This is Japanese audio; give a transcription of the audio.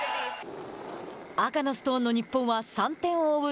赤のストーンの日本は３点を追う